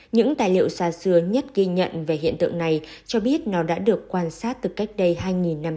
những tài liệu xa xưa nhất ghi nhận về hiện tượng này cho biết nó đã được quan sát từ cách đây hai năm trăm linh năm